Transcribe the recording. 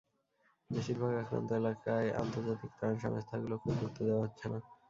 বেশির ভাগ আক্রান্ত এলাকায় আন্তর্জাতিক ত্রাণ সংস্থাগুলোকেও ঢুকতে দেওয়া হচ্ছে না।